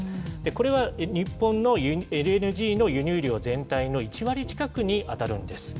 これは日本のＬＮＧの輸入量全体の１割近くに当たるんです。